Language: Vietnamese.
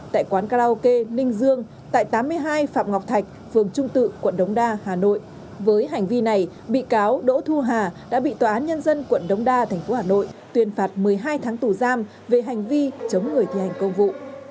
tại quán karaoke ninh dương tại tám mươi hai phạm ngọc thạch phường trung tự quận đống đa hà nội với hành vi này bị cáo đỗ thu hà đã bị tòa án nhân dân quận đống đa tp hà nội tuyên phạt một mươi hai tháng tù giam về hành vi chống người thi hành công vụ